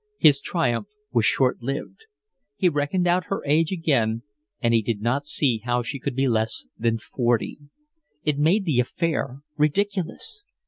His triumph was short lived. He reckoned out her age again, and he did not see how she could be less than forty. It made the affair ridiculous.